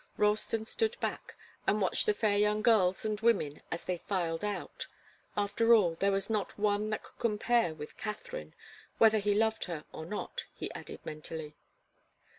Ralston stood back and watched the fair young girls and women as they filed out. After all, there was not one that could compare with Katharine whether he loved her, or not, he added mentally.